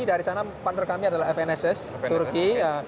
dari sana partner kami adalah fnss turki